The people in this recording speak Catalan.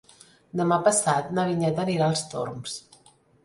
Demà passat na Vinyet anirà als Torms.